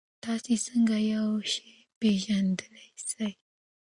تاسې څنګه یو شی پېژندلای سئ؟